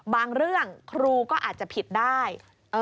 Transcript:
บางเรื่องครูก็อาจจะผิดได้